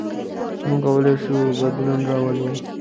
موږ کولی شو بدلون راولو.